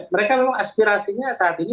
mereka memang aspirasinya saat ini